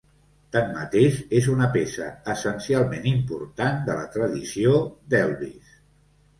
Tanmateix, és una peça essencialment important de la tradició d'Elvis.